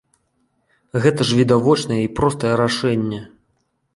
Гэта ж відавочнае і простае рашэнне.